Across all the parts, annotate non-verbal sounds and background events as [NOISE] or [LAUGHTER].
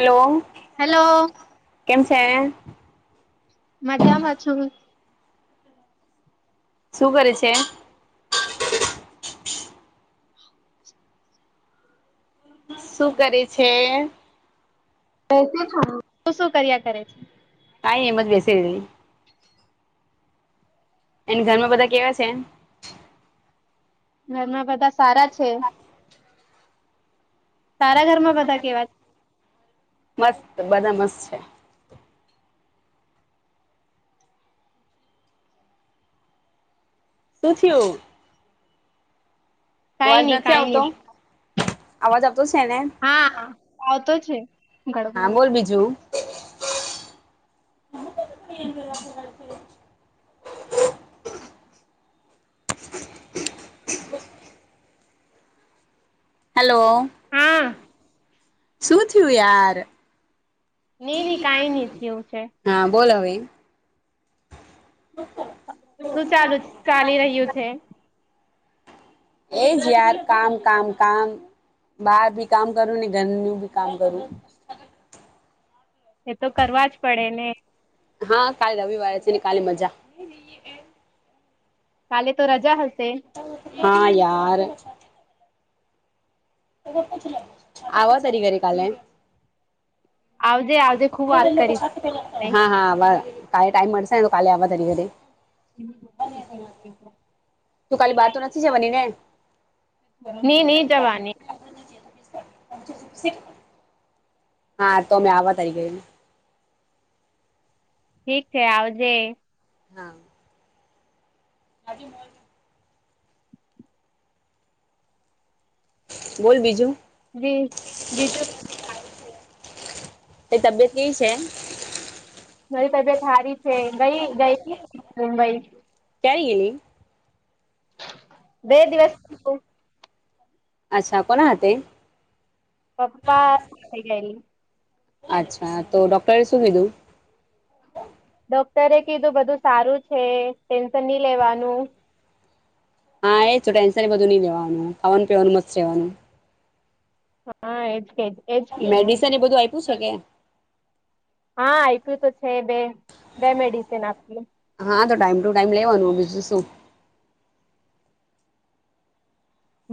Hello. Hello કેમ છે? મજામાં છું શું કરે છે? શું કરે છે? બેઠી છું. તું શું કર્યા કરે છે? આઈ એમજ બેસી રયલી. અન ઘરમાં બધા કેવા છે? ઘરમાં બધા સારા છે. તારા ઘરમાં બધા કેવા છે? મસ્ત. બધા મસ્ત છે. શું થ્યું? કાંઈ નઈ. કાંઈ નઈ. આવાજ આવ હા, આવતો છે. હા, ગડબડ બોલ બીજું. [INAUDIBLE] હાલો. હા. શું થ્યું યાર. નઈ નઈ કઈ નઈ થયું છે હા, બોલ હવે શું ચાલુ ચાલી રહ્યું છે? એ જ યાર કામ કામ કામ. બારભી કામ કરું ને ઘરનું બી કામ કરું. એ તો કરવા જ પડે ને હા કાલે રવિવારે છે ને કાલે મજા. કાલે તો રજા હશે હાં યાર આવા સ તરી ઘરે કાલે આવજે આવજે ખુબ વાત કરીશ હા હા વા કાલે ટાઈમ મળશે ને તો કાલે આવા તારી ઘરે તું કાલે બહાર તો નથી જવાની ને [UNINTELLIGIBLE] ની ની જવાની [UNINTELLIGIBLE] હા તો મેં આવા તારી ગયે ઠીક છે આવજે હા. હાજી મોજ બોલ બીજું જી જીજ [INAUDIBLE] તાઈ તબિયત કેવી છે? મારી તબિયત હારી છે ગઈ ગઈતી મુંબઈ કંઈ ગેલી બે દિવસ અચ્છા કોના હાથે? પપ્પા થઈ ગયેલી અચ્છા તો ડોક્ટરે શું કીધું? ડોક્ટરે કીધું બધું સારું છે ટેન્શન ની લેવાનું હા એ જ છ ટેન્શન એ બધું ની લેવાનું ખાવાનું પીવાનું મસ્ત રહેવાનું હા એજ કે એજ કીધુ મેડિસન એ બધું આપ્યું છે કે આપ્યું તો છે બે બે મેડિસિન આપલી હા તો ટાઈમ ટુ ટાઈમ લેવાનું બીજું શું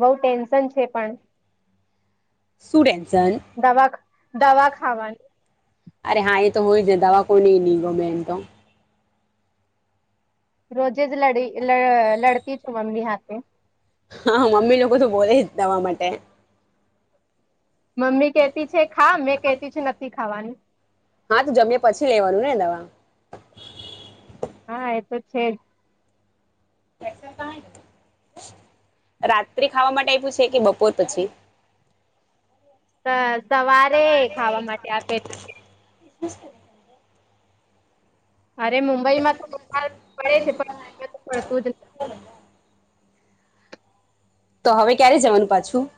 બઉ ટેન્શન છે પણ શુ ટેન દવા ખ દવા ખાવાની અરે હા એ તો હોય જ છે દવા કોઈ ને ની ગમે એમ તો. રોજે જ લડી લ લડતી છું એમની હાથે. હા મમ્મી લોકો તો બોલે જ દવા માટે. મમ્મી કેતી છે ખા, મેં કેતી છે નથી ખાવાની. હા તો જમ્યા પછી લેવાનું ને દવા હા એતો છે જ. છે તો તાં જ રાત્રે ખાવા માટે આયપુ છે કે બપોર પછી? સ સવારે ખાવા માટે આપેલું. [UNINTELLIGIBLE] અરે મુંબઇમાં તો વરસાદ પડે છે પણ અઈયા તો પડતો જ તો હવે ક્યારે જવાનું પાછું?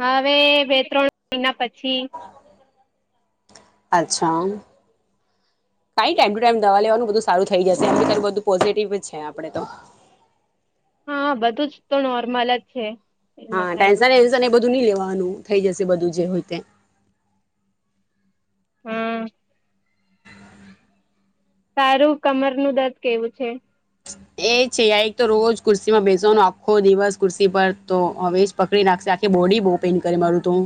હવે બે ત્રણ મહિના પછી અચ્છા. કાંઈ ટાઈમ ટુ ટાઈમ દવા લેવાનું બધું સારું થઈ જશે એમ તો તારુ બધું પોઝિટિવ જ છે આપણેે તો હા બધું જ તો નોર્મલ જ છે. એમાં હા કઈ ટેન્સન નથી એન્ડ એ બધુ ની લેવા નું થઈ જશે બધું જે હોય તે હમ્મ. તારું કમરનું દર્દ કેવું છે? એ છે આઈ તો રોજ કુર્સી માં બેસવાનો આખો દિવસ કુર્સી પર તો હવે જ પકડી નાખશે તખ બોડી બહુ પેન કરી મારું તું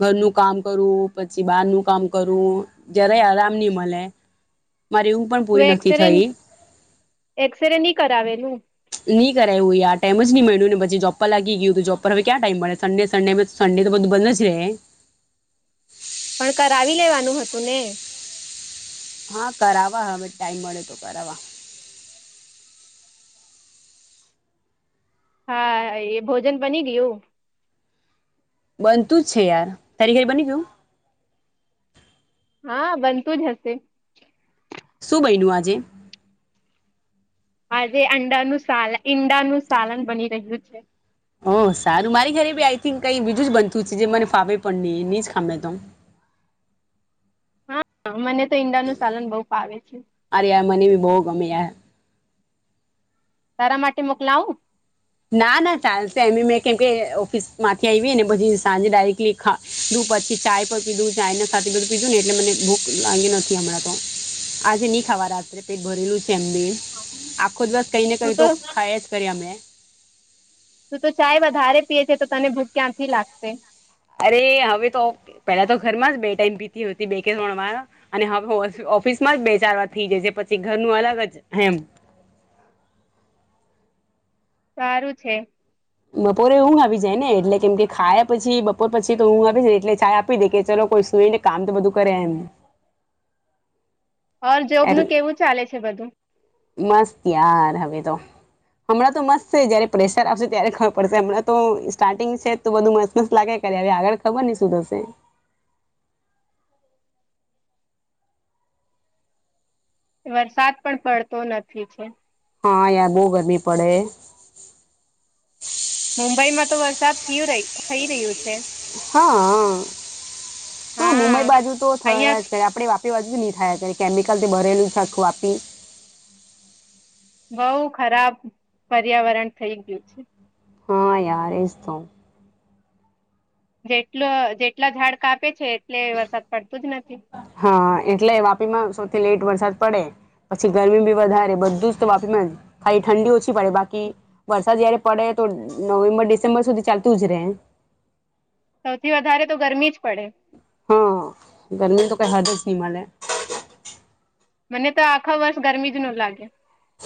ઘરનું કામ કરવું પછી બહારનું કામ કરવું જ્યારેય આરામ નહ મળે [INAUDIBLE] મારે ઊંઘ પણ તું પૂરી નથી એક્સરે થઈ એક્સરે નહી કરાવેલું નહી કરવું આ ટાઈમ ન મળ્યું ને પછી જો્ર લાગી ગયું જો્પ પર હવે ક્યા ટાઈમ મળે સન્ેન્ડે સન્ડે તો બધું બંધ જ રહેે પણ કરાવી લેવાનું હતું ને હા કરવા હવે ટાાઈમ મળે તો કરવા હા એ ભોજન બની ગયું બનતું જ છે યાર તારી ઘર બની ગયું હા બનતું જ હશે શું બયનું આજે આજે અંડાનુંું સાલન ઈંડાનુંું સાલન બની રહ્યું છે ઓ સારું મારી ઘરે બી આઈ થિક ક બીજું જ બનતું છે જે મને ફાવે પણ નહી એ જ ખામડમ [INAUDIBLE] હા મને તો ઈંડા નું સાલન બહુ પાવે છે બહુગમ્યા તારા માટે મોકલાવું ના ના ચાલશે એમે મે કેમ કે ઓફિસ માંથી આવી ને પછી સાંજે ડાયરેક્ટલી પછી ચાય પણ પીધું ચાયને સાથે બધું પીધું ને એટલે મને ભૂખ લાગી નથી હમણાં તો. આજે નહી ખાવા રાત્રે પેટ ભરેલું છે તેમ બી આખો દિવસ કઈ ને કઈ તો ખાય જ કરી અમમે તું તો ચાય વધારે પીએ છે તો તને ભૂખ ક્યાંથી લાગશે અરે હવે તો પેલા તો ઘરમાં જ બે ટાઈમ પીતી હો હતી બે કે તણ અને હવે ઓફિસમાં જ બે ચાર વાર થઇ જાય છે પછી ઘરનું અલગ જ હમ [INAUDIBLE] સારું છે. બપોરે એ ું આવી જાય ને એટલે કેમ કે ખાયા પછી બપોર પછી તો ું આવી જ ને એટલે છા આપી દે કે ચલોો કોઈ. સુઈ ને કામ તો બધું કરે એમ. [INAUDIBLE] ઓર જોબ નું એટલે કેવું ચાલે છે બધું. મસ્ત યાર હવે તો. હમણાં તો મસ્ત છે જયારે પ્રેશર આવશે ત્યારે ખબર પડશે હમણાં તો સ્ટાર્ટિંગ છે તો બધું મસ્ત મસ્ત લાગે. હવે આગળ ખબર નની શું થશે. [INAUDIBLE] વરસાદ પણ પડતો નથી છે. હા યાર બહુ ગરમી પડે. મુંબઈ માં તો વરસાદ થય થઈ રહ્યું છે. હા હા મુંબઈ બાજુ તો અહિયાં થયા છે આપડે વાપ. જુ જ નહી થાય કેમિકલ થી ભરેલું આખું આપી. બઉ ખરાબ પર્યાવરણ થઈ ગયું છે. હા યાર એ તો. જેટલ જેટલા ઝાડ કાપે છે. એટલે વરસાદ પડતું જ નથી હા એટલે વાપીમાં સૌથી લેટ વરસાદ. પડે પછી ગરમી બી વધારે બધું જ તો વાપી ખાલી ઠંડી ઓછી પડે બાકી વરસાદ. જારે પડે તો નવેમ્બર ડિસેમ્બર સુધી ચાલતું જ રહે. સૌથી વધારે તો ગરમી જ પડે. હા ગરમી તો કઈ હદ જ હિમાલેય. મને તો આખા વર્ષ ગરમી જ ન લાગે.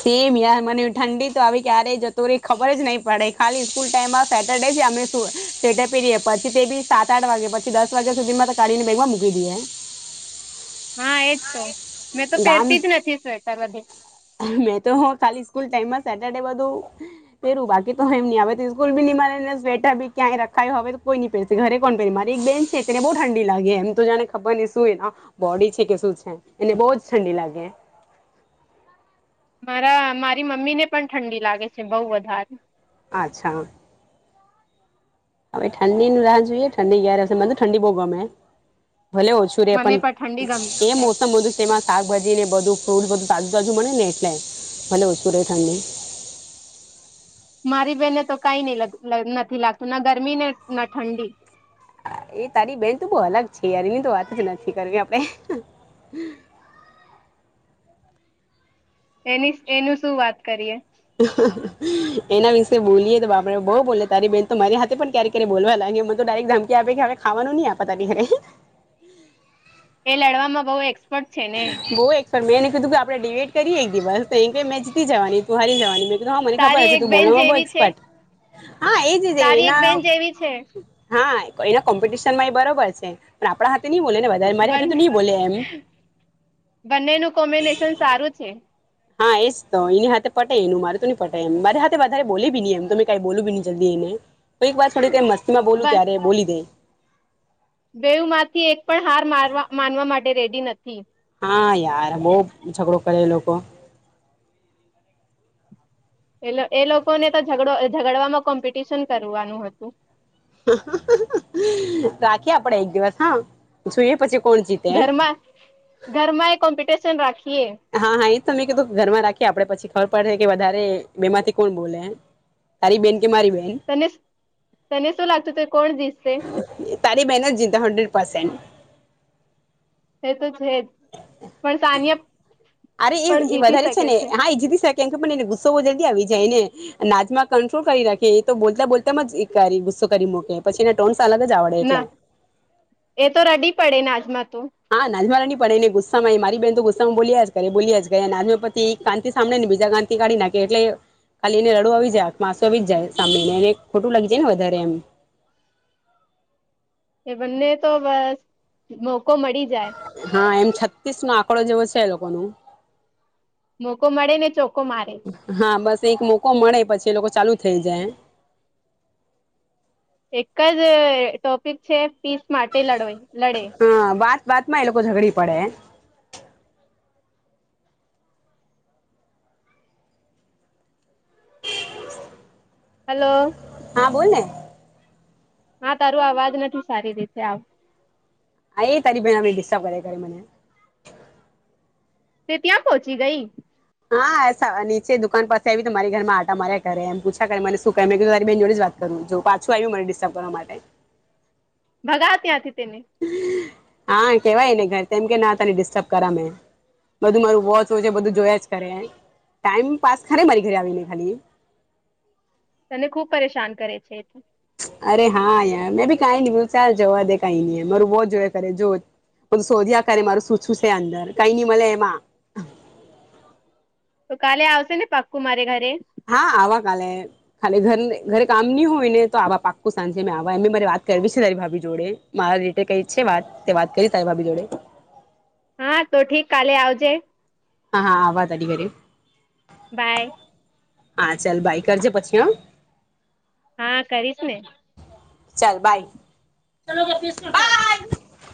સેમ યાર મને ઠંડી તો આવી ક્યારેય જતો ર ખબર જ નહી પડે ખાલી સ્કૂલ ટાઈમમાં સેટરડે. અમે સેટ પેએ પછી તે બી સાત આઠ વાગ્યા પછી દસ વાગ્યા સુધી મા કાઢીને બેગમાં મૂકી દઈએ [INAUDIBLE] હા એજ તો મેં તો ગામ પહેરતી જ નથી સ્વેટર બધુ મેં તો ખાલી સ્કૂલ ટાઈમમાં સેટરડે બધું પેરું બાકી તો હ એમની સ્કૂલ બી મને સ્વેડર ક્યાંય રખાયું હવે તોઈની પેર ઘરે કોણ પેરી મારી એક બેન છે ને તેને બહુ ઠંડી લાગે એમ તો ને ખબર શું એ બોડી છે કે શું છે એને બહુ જ ઠંડી લાગે [INAUDIBLE] મારા મારી મમ્મીને પણ ઠંડી લાગે છે બહુ વધારે અચ્છા હવે ઠંડીની રાહ જોઈએ ઠંડી ક્યારે હશે મને ઠંડી બહુ ગમે ભલે ઓછું રે પણ મને ઠંડી ગમે એ છે મોસમ બધું છે એમાં શાકભાજી ને બધું તોલું બધું તાજુ તાજુ મળે ને એટલે ભલે ઓછું રહે ઠંડી મારી બેહેનને તો કઈ ન નથી લાગતું ના ગરમી ને ના ઠંડી એ તારી બેન તો બહુ અલગ છે યાર એની તો વાત જ નથી કરવી આપણે [INAUDIBLE] એની એનું શું વાત કરીએ એના વિશે બોલીય તો બાપરે બહુ બોલે તારી બેન તો મારી હાથે પણ ક્યારે ક્યારે બોલવા લાગ તો ડાયરેક ધમકી આપે કે હવે ખાવાનું નહી આપ તની ઘરે એ લડવામાં બહ એક્સપર્ટ છે ને પણ મેંને કીધું કે આપણે ડિબટ કરીએ એક દિવસ તો એ કે મેં જીતી જવાની તું હારી જવાની મે હા મને ખબર તારી હ છે એક તું બેન બોલવામાંમાં બો જેવી છે એક્સપર્ટ હા એજ છે તારી એક એના બેન જેવી છે હા એના કોમ્પિટિશન માં બરોબર છે પણ આપણા હાથે નઈ બોલે નેારે મારી હાથે તો નહી બોલે એમ બંને નું કોમ્બિનેશન સારું છે હા એજ તો એની હાથે પટે એનું મારે તો ન પટે એમ મારે હાથે વધારે બોલી બી નહી એમ તમે કઈ બોલ બી નહી જલ્દી એને તો એક વાર થોડી ત મસ્તીમાં બોલું ત્યારે બોલી દે બેયું માંથી એક પણ હાર મારવા માનવા માટે રેડી નથી. હા યાર બહુ ઝઘડો કરે એ લોકો. એ એ લોકોને તો ઝગડમાં કોમ્પિટિશન કરવાનું હતું. [UNINTELLIGIBLE] રાખીએ આપડે એક દિવસ હા જોઈએ પછી કોણ જીતે ઘરમાં ઘરમાં એ કોમ્પિટિશન રાખ હા હા એ તમે કીધું ઘરમાં રાખી. આપડે પછી ખબર પડશે કે વધારે બે માંથી કોણ બોલે તારી બેન કે મારી બેન તને તને શું લાગતું તું કોણ જીતશે? તારે બેનજ જીતે હન્ડરેડ પર્સેન્ટ. એ તો છે જ પણ સાનિયા અરે પણ એ જીતી વધારે છે શકે ને હા એ જીતી શકે. [UNINTELLIGIBLE] ગુસ્સો જલ્દી આવી જાય ને નાજમાં કંટ્રોલ કરી રાખે એ તો બોલતા બોલતા જ શું કરી મૂકે પછી એના ટોન્સ અલગ જ આવડે એટલે. ના એ તો રડી પડે નાજમાં તો હા [UNINTELLIGIBLE] પડેને ગુસ્સામાં મારી બેન તો ગુસ્સામાં બોલ્યા જ કરે બોલ્યા જ કરે અને આજ પતિ એક કાન થી સાંભળે ને બીજા કાનથી કાઢી નાખે એટલે ખાલી એને રડવુ આવી જાય આંખ માં આસું આવી જાય સાંભળીને એને ખોટું લાગી જાય ને વધારે એમ. એ બંને તો બસ મોકો મળી જ હા એમ છત્તીસ નો આંકડો જેવો છે એ લોકો ને. મોકો મળે ને ચોકો મારે હા બસ એક મોકો મળે પછી એ લોકો ચાલુ થઈ જાય એક જ ટોપિક છે પીસ માટે લડવાઈ. હા વાત વાત માં એ લોકો ઝઘડી પડે! હલો હા બોલને હા તારું અવાજ નથી સારી રીતે આવ હા એ તારી [UNINTELLIGIBLE] ડિસ્ટર્બ કરે મને. તે ત્યાં પહોંચી ગઈ? હા નીચે દુકાન પાસે આવી તો મારી ઘરમાં આટા માર્યા કરે એમ પૂછા કરે મને શું કહે કે તારી બેહેન જોડી જ વાત કરુ. જો પાછું આવ્યું મને ડિસ્ટર્બ કરવા માટે. ભગાવ ત્યાંથી તેને. હા કેવાયને ઘર તેમ કે ના તને ડિસ્ટર્બ કરા મેં બધું મારું વોચ હોય છે બધું જોય જ કરે ટાઈમ પાસ કરે મારી ઘરે આવીને ખાલી. તને ખુબ પરેશાન કરે છે એ. અરે હા યાર મેં ભી કઈ ની બ ચલ જવા દે કઈ નઈ મારું વોચ જોયા કરે, જો. શોધ્યા આ કરે મારું શૂછું છે અંદર કઈ નઈ મલે એમાં. તો કાલે આવશે ને પાક્કુ મારે ઘરે? હા આવા કાલે ખાલી ઘર ઘરે કામ નહી હોય ને તો આવા પાક્કું સાંજે મે આવા સાંજે મારી વાત કરવી છે તારી ભાભી જોડે મારા રીલેટેડ કંઈ છે વાત વાત કરી તારી ભાભી જોડે. હા તો ઠીક કાલે આવજે. હા હા આવા તારીઘરે. બાય હા ચાલ બાઈ કરજે પછી હ. હા કરીશ ને ચાલ બાય [UNINTELLIGIBLE]